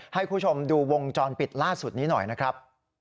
ให้คุณผู้ชมดูวงจรปิดล่าสุดนี้หน่อยนะครับ